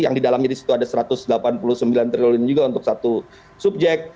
yang di dalamnya di situ ada satu ratus delapan puluh sembilan triliun juga untuk satu subjek